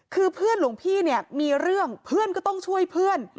คือเพื่อนหลวงพี่เนี่ยมีเรื่องเพื่อนก็ต้องช่วยเพื่อน